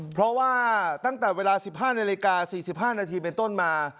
เพราะว่าตั้งแต่เวลา๑๕นาฬิกา๔๕นาทีเป็นต้นมา